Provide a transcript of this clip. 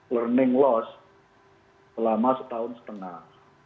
learning loss selama setahun setengah